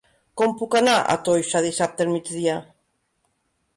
Com puc anar a Toixa dissabte al migdia?